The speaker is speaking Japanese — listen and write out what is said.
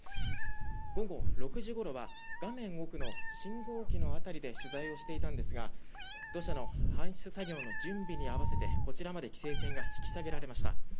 午後６時ごろは画面奥の信号機の辺りで取材をしていたんですが土砂の搬出作業の準備に合わせてこちらまで規制線が引き下げられました。